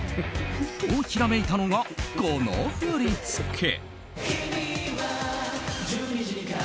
と、ひらめいたのがこの振り付け。